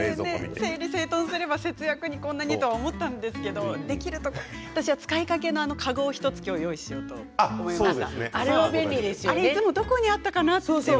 整理整頓すれば節約に、こんなにと思うんですけれども私は使いかけの籠を用意しようと思いました。